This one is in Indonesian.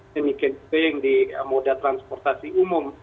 demikian juga yang di moda transportasi umum